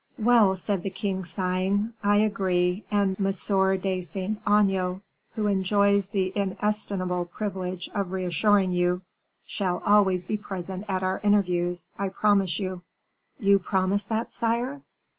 "Well," said the king, sighing, "I agree; and M. de Saint Aignan, who enjoys the inestimable privilege of reassuring you, shall always be present at our interviews, I promise you." "You promise that, sire?"